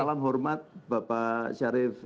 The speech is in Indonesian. salam hormat bapak syarif